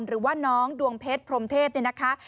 หรือว่าน้องดวงเพชรพรมเทพเนี่ยนะคะ